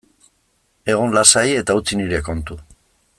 Egon lasai eta utzi nire kontu.